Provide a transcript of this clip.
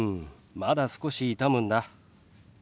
まだ少し痛むんだ。